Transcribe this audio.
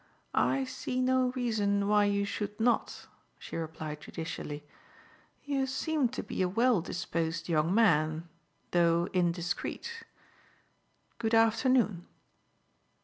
"I see no reason why you should not," she replied judicially. "You seem to be a well disposed young man, though indiscreet. Good afternoon."